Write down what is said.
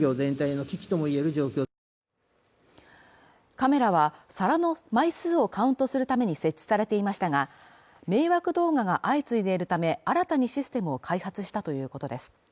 カメラは皿の枚数をカウントするために設置されていましたが、迷惑動画が相次いでいるため、新たにシステムを開発したということです。